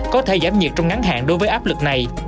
có thể giảm nhiệt trong ngắn hạn đối với áp lực này